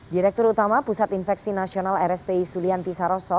direktur utama pusat infeksi nasional rspi sulianti saroso